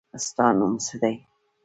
ستا نوم څه دی.